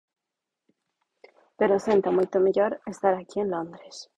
Pero senta moito mellor estar aquí en Londres.